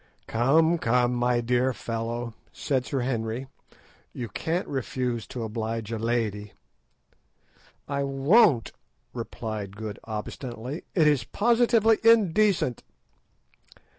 "Come, come, my dear fellow," said Sir Henry, "you can't refuse to oblige a lady." "I won't," replied Good obstinately; "it is positively indecent."